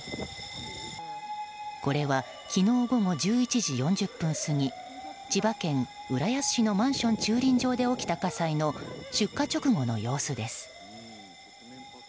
これは昨日午後１１時４０分過ぎ千葉県浦安市のマンション駐輪場で起きた火災の出火直後の様子です。